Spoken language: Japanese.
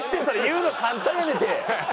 そりゃ言うの簡単やねんって！